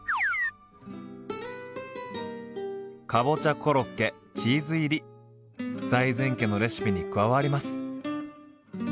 かぼちゃコロッケチーズ入り財前家のレシピに加わります。